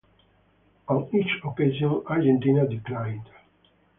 On each occasion Argentina declined.